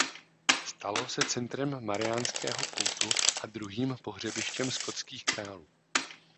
Stalo se centrem mariánského kultu a druhým pohřebištěm skotských králů.